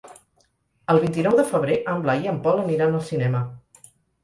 El vint-i-nou de febrer en Blai i en Pol aniran al cinema.